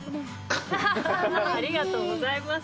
ありがとうございます。